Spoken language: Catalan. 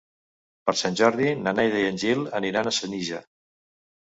Per Sant Jordi na Neida i en Gil aniran a Senija.